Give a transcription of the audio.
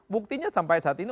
buktinya sampai saat ini